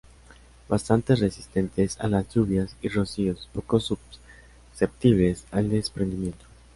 Bastante resistentes a las lluvias y rocíos, poco susceptibles al desprendimiento.